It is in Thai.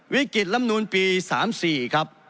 วิกฤตรรมนุนปี๓๔ครับ